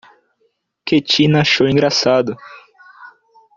Que Tina achou engraçado!